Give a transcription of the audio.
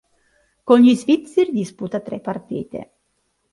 Con gli svizzeri disputa tre partite.